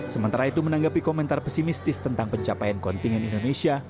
sementara itu menanggapi komentar pesimistis tentang pencapaian kontingen indonesia